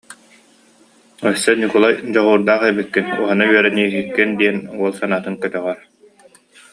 Өссө Ньукулай «дьоҕурдаах эбиккин, уһана үөрэнииһиккин» диэн уол санаатын көтөҕөр